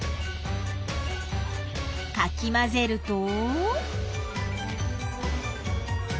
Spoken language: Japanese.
かきまぜると。